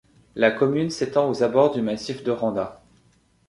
La commune s'étend aux abords du massif de Randa.